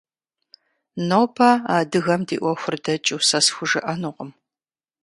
Нобэ адыгэм ди Ӏуэхур дэкӀыу сэ схужыӀэнукъым.